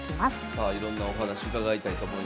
さあいろんなお話伺いたいと思います。